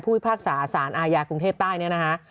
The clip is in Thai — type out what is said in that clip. พิพากษาสารอาญากรุงเทพใต้เนี่ยนะฮะ